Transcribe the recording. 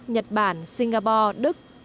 nhật bản singapore đức